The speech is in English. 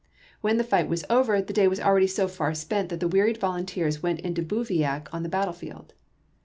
When the fight was over, the day was akeady so far spent that the wearied volunteers went into bivouac on the battlefield.